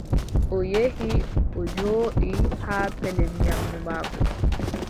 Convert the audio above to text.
O yehi, o jooɗi haa pellel nyaamndu maako.